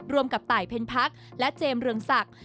กับตายเพ็ญพักและเจมส์เรืองศักดิ์